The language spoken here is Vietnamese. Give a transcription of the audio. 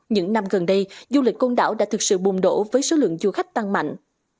những năm gần đây du lịch côn đảo đã thực sự bùm đổ với số lượng du khách tăng mạnh